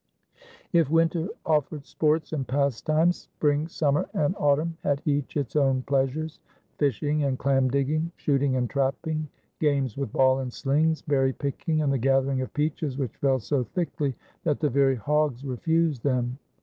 If winter offered sports and pastimes, spring, summer, and autumn had each its own pleasures, fishing and clam digging, shooting and trapping, games with ball and slings, berry picking, and the gathering of peaches which fell so thickly that the very hogs refused them.